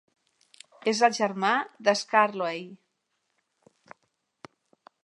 És el germà de Skarloey.